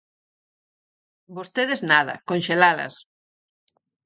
Vostedes nada, conxelalas.